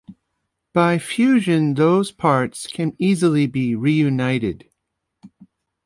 By fusion those parts can easily be reunited.